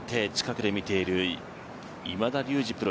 近くで見ている今田竜二